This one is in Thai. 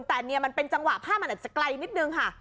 แต่เนี่ยมันเป็นจังหวะภาพมันอาจจะไกลนิดนึงค่ะ